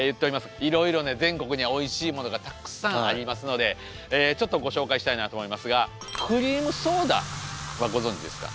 いろいろね全国にはおいしいものがたくさんありますのでちょっとご紹介したいなと思いますがクリームソーダはご存じですか？